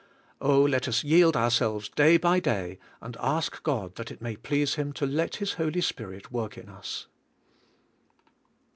Oh, let us yield our selves day by .day and ask God that it may please Him to let His Holy Spirit work in us.